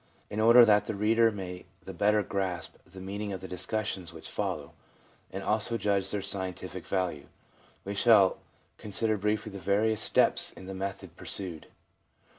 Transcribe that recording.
In order that the reader may the better grasp the meaning of the discussions which follow, and also judge of their scientific value, we shall consider briefly the various steps in the method pursued.